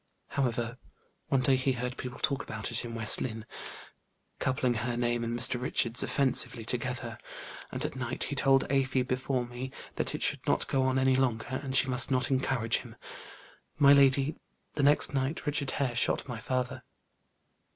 However, one day he heard people talk about it in West Lynne, coupling her name and Mr. Richard's offensively together, and at night he told Afy, before me, that it should not go on any longer, and she must not encourage him. My lady, the next night Richard Hare shot my father."